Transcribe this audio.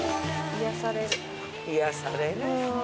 癒やされる。